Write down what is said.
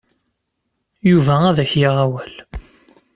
Yuba ad ak-yaɣ awal.